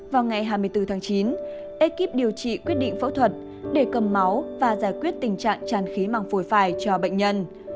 vào ngày hai mươi bốn tháng chín ekip điều trị quyết định phẫu thuật để cầm máu và giải quyết tình trạng tràn khí màng phổi phải cho bệnh nhân